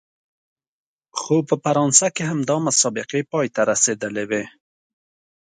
خو په فرانسه کې همدا مسابقې پای ته رسېدلې وې.